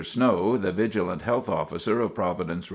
Snow, the vigilant Health Officer of Providence, R.